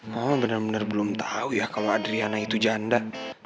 mama benar benar belum tahu ya kalau adriana itu janda